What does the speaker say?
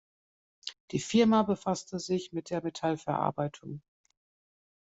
Die Firma befasste sich mit der Metallverarbeitung.